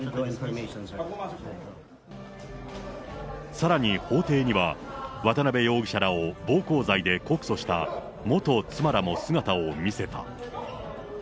さらに法廷には、渡辺容疑者らを暴行罪で告訴した元妻らも姿を見せた。